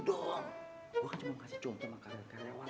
gue kan cuma mau kasih contoh makanan karyawan